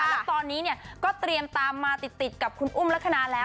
แล้วตอนนี้ก็เตรียมตามมาติดกับคุณอุ้มลักษณะแล้ว